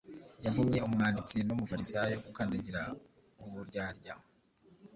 Yavumye Umwanditsi n'Umufarisayo, Gukandagira uburyarya.